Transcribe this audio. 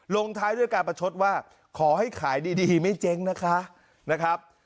ลงท้ายด้วยการประชดว่าขอให้ขายดีไม่เจ๊งนะคะนะครับ